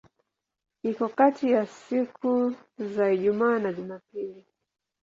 Iko kati ya siku za Ijumaa na Jumapili.